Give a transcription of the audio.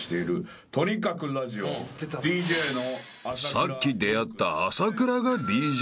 ［さっき出会った朝倉がＤＪ］